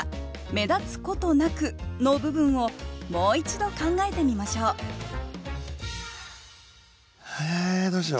「目立つことなく」の部分をもう一度考えてみましょうええどうしよう。